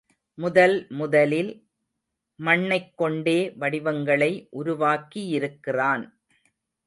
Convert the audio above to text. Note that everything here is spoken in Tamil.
முதல் முதலில் மண்ணைக்கொண்டே வடிவங்களை உருவாக்கியிருக்கிறான்.